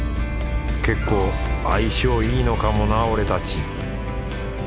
結構相性いいのかもな俺たち。